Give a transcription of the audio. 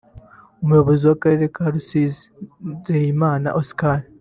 Umuyobozi w’Akarere ka Rusizi Nzeyimana Oscar